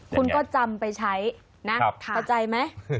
คุณก็จำไปใช้นะเข้าใจไหม